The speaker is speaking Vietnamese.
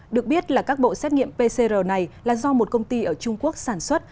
được biết là các bộ xét nghiệm pcr này là do một công ty ở trung quốc sản xuất